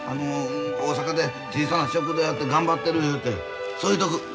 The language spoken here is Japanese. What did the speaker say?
大阪で小さな食堂やって頑張ってるいうてそう言うとく。